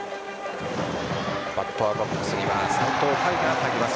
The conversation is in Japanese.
バッターボックスには齊藤海が入ります。